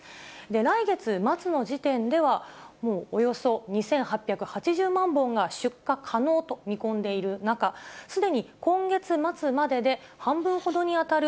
来月末の時点では、もうおよそ２８８０万本が出荷可能と見込んでいる中、すでに今月末までで半分ほどに当たる